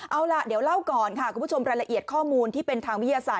เอาล่ะเดี๋ยวเล่าก่อนค่ะคุณผู้ชมรายละเอียดข้อมูลที่เป็นทางวิทยาศาส